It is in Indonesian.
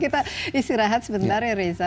kita istirahat sebentar ya reza